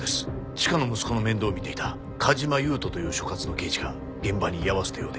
チカの息子の面倒を見ていた梶間優人という所轄の刑事が現場に居合わせたようで。